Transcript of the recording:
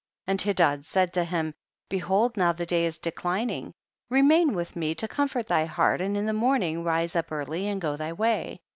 26. And Hedad said to him, be hold now the day is declining, remain with me to comfort thy heart and in the morning rise up early and go thy way.